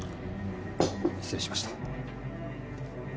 失礼しました